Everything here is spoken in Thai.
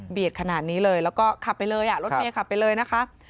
ขนาดนี้เลยแล้วก็ขับไปเลยอ่ะรถเมย์ขับไปเลยนะคะ